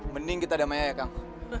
mending kita damai ya kang